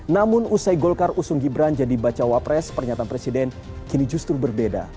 namun usai golkar usung gibran jadi bacawa pres pernyataan presiden kini justru berbeda